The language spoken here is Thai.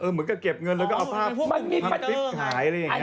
เหมือนกับเก็บเงินแล้วก็เอาภาพมันมีบันทึกขายอะไรอย่างนี้